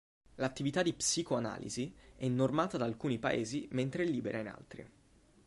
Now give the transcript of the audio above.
L'attività di psicoanalisi è normata da alcuni paesi mentre è libera in altri.